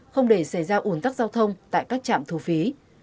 không để xảy ra ủn tắc giao thông tại các trạm thu phí